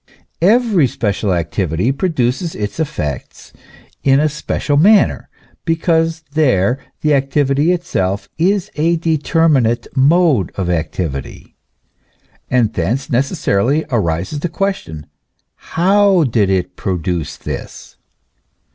Every special activity produces its effects in a special manner, because there the activity itself is a determinate mode of activity ; and thence necessarily arises the question : How did it produce this